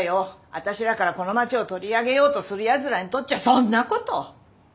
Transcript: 私らからこの町を取り上げようとするやつらにとっちゃそんなこと。